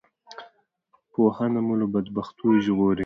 پوهنه مو له بدبختیو ژغوری